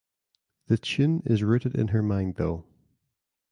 The tune is rooted in her mind though.